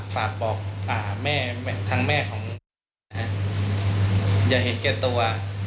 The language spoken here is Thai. ฝากบอกทั้งแม่ของอย่าเห็นเกล็ดตัว